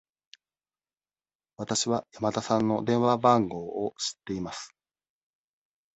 わたしは山田さんの電話番号を知っています。